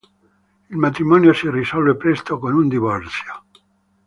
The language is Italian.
Il matrimonio si risolse presto con un divorzio.